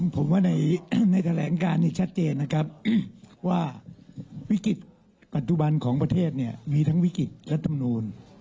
ผมว่าในแถลงการชัดเจนนะครับว่าวิกฤตปัจจุบันของประเทศเนี่ยมีทั้งวิกฤตรัฐมนูล